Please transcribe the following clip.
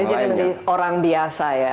jadi dia menjadi orang biasa ya